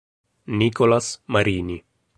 Nicolas Marini